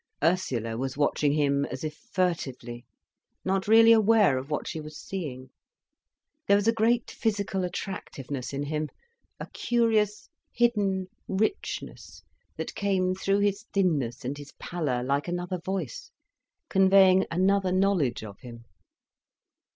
Ursula was watching him as if furtively, not really aware of what she was seeing. There was a great physical attractiveness in him—a curious hidden richness, that came through his thinness and his pallor like another voice, conveying another knowledge of him.